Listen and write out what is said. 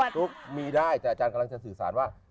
ตุ๊กมีได้แต่อาจารย์กำลังจะสื่อสารว่า